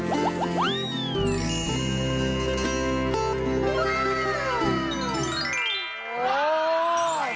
โอ้โห